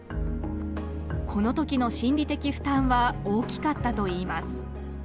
この時の心理的負担は大きかったといいます。